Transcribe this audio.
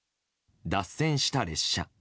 脱線した列車。